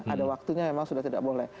ada waktunya memang sudah tidak boleh